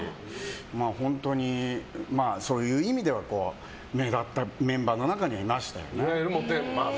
本当にそういう意味では目立ったメンバーの中にはいましたよね。